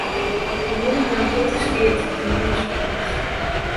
Boeren ha in protte skea troch de mûzepleach.